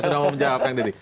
sudah mau menjawab kang deddy